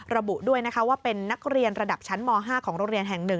ระบุด้วยนะคะว่าเป็นนักเรียนระดับชั้นม๕ของโรงเรียนแห่ง๑